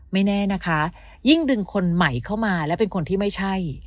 ไม่แน่นะคะยิ่งดึงคนใหม่เข้ามาและเป็นคนที่ไม่ใช่